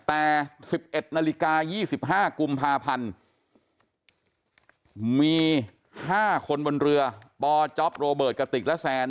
แต่๑๑นาฬิกา๒๕กุมภาพันธ์มี๕คนบนเรือปจ๊อปโรเบิร์ตกระติกและแซน